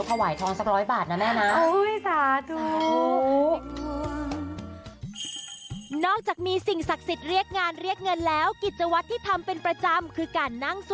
ก็ได้จริงแล้วก็ถวายแม่จริง